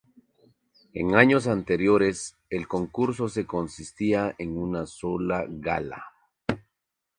En años anteriores, el concurso se consistía en una sola gala.